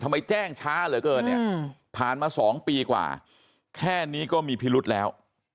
แจ้งช้าเหลือเกินเนี่ยผ่านมา๒ปีกว่าแค่นี้ก็มีพิรุษแล้ว